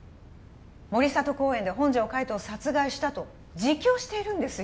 森里公園で本条海斗を殺害したと自供しているんですよ